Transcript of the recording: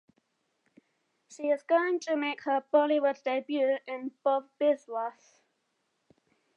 She is going to make her Bollywood debut in "Bob Biswas".